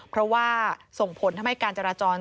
เพราะว่าส่งผลทำให้การจราจร